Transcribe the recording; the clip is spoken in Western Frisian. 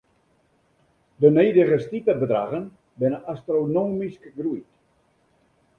De nedige stipebedraggen binne astronomysk groeid.